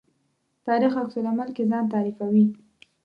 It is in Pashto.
تاریخ عکس العمل کې ځان تعریفوي.